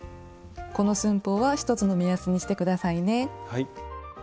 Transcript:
この寸法は１つの目安にして下さいね。